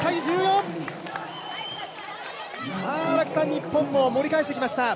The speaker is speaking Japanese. さあ、日本も盛り返してきました。